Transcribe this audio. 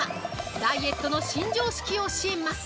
ダイエットの新常識教えます！